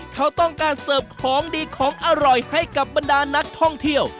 เขาต้องการเสิร์ฟของดีของอร่อยให้กับบรรดานักท่องเที่ยว